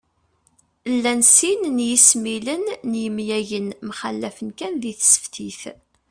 Llan sin n yesmilen n yemyagen, mxallafen kan di tseftit